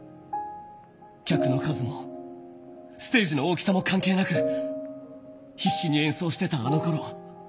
客の数もステージの大きさも関係なく必死に演奏してたあのころを。